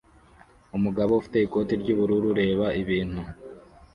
umugabo ufite ikoti ry'ubururu reba ibintu